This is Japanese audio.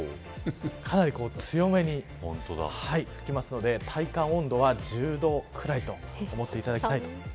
かなり強めに吹きますので体感温度は１０度くらいと思っていただきたい。